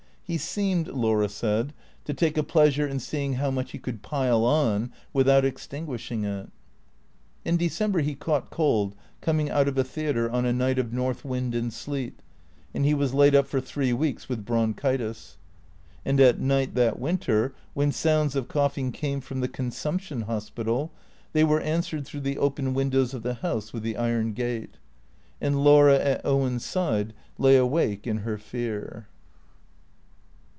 He seemed, Laura said, to take a pleasure in seeing how much he could pile on without extinguish ing it. In December he caught cold coming out of a theatre on a night of north wind and sleet, and he was laid up for three weeks watli bronchitis. And at night, that winter, when sounds of coughing came from the Consumption Hospital, they were answered through the open windows of the house with the iron gate. And Laura at Owen's side lay awake in her fear.